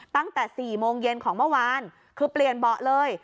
ตั้งแต่๔โมงเย็นของเมื่อวานคือเปลี่ยนเบาะเลย